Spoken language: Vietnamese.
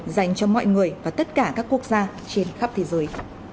dành cho mọi người và tất cả các quốc gia trên khắp thế giới